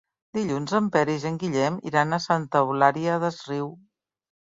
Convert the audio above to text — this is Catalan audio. Dilluns en Peris i en Guillem iran a Santa Eulària des Riu.